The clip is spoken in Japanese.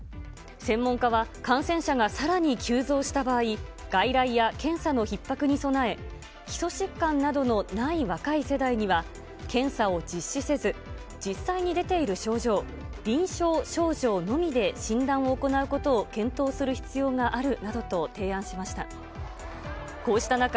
専門家は感染者がさらに急増した場合、外来や検査のひっ迫に備え、基礎疾患などのない若い世代には、検査を実施せず、実際に出ている症状、臨床症状のみで診断を行うことを検討する必要があるなどと提案しました。